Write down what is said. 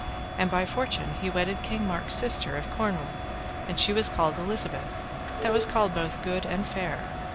And by fortune he wedded King Mark's sister of Cornwall, and she was called Elizabeth, that was called both good and fair.